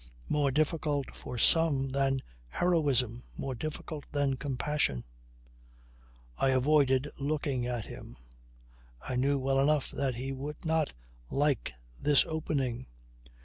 "More difficult for some than heroism. More difficult than compassion." I avoided looking at him. I knew well enough that he would not like this opening.